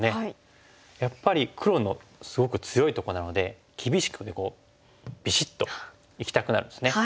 やっぱり黒のすごく強いとこなので厳しくビシッといきたくなるんですね。